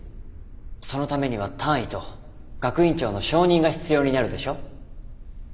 そのためには単位と学院長の承認が必要になるでしょ。